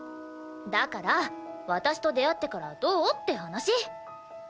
だから私と出会ってからどう？って話！